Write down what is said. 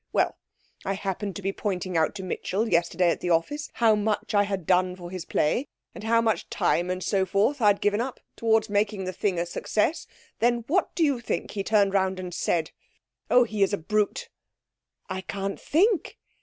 Well, I happened to be pointing out to Mitchell, yesterday at the office, how much I had done for his play, and how much time and so forth I'd given up towards making the thing a success, then, what do you think he turned round and said? Oh, he is a brute!' 'I can't think!'